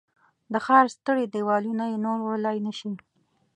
د ښار ستړي دیوالونه یې نور وړلای نه شي